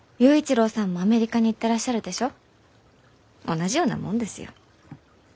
同じようなもんですよ。